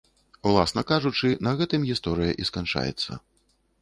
Уласна кажучы, на гэтым гісторыя і сканчаецца.